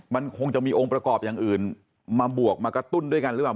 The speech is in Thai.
มันคงจะมีองค์ประกอบอย่างอื่นมาบวกมากระตุ้นด้วยกันหรือเปล่า